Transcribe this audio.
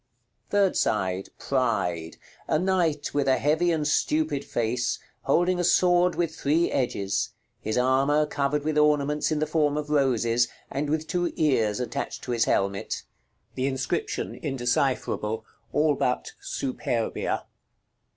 § LXXXVIII. Third side. Pride. A knight, with a heavy and stupid face, holding a sword with three edges: his armor covered with ornaments in the form of roses, and with two ears attached to his helmet. The inscription indecipherable, all but "SUPERBIA."